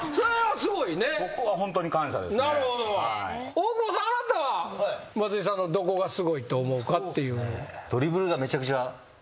大久保さんあなたは松井さんのどこがすごいと思うかっていう。